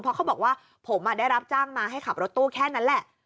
เพราะเขาบอกว่าผมได้รับจ้างมาให้ขับรถตู้แค่นั้นแหละ